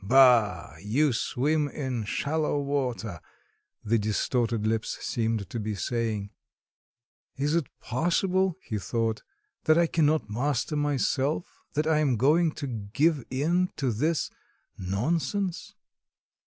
"Bah: you swim in shallow water," the distorted lips seemed to be saying. "Is it possible," he thought, "that I cannot master myself, that I am going to give in to this... nonsense?"